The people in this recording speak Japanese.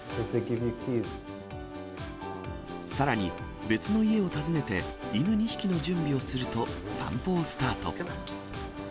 さらに、別の家を訪ねて、犬２匹の準備をすると、散歩をスタート。